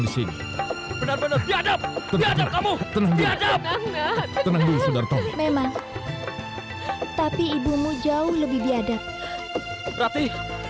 disini benar benar biadab biadab kamu tenang tenang memang tapi ibumu jauh lebih biadab berarti